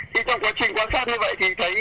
nhưng trong quá trình quan sát như vậy thì thấy